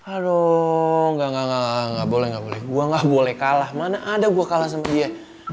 aduh gak boleh gue gak boleh kalah mana ada gue kalah sama dia